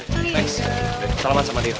thanks salaman sama dio